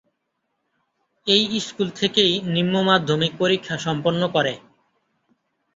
এই স্কুল থেকেই নিম্ন মাধ্যমিক পরীক্ষা সম্পন্ন করে।